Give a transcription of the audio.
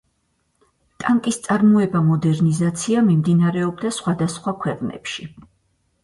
ტანკის წარმოება მოდერნიზაცია მიმდინარეობდა სხვადასხვა ქვეყნებში.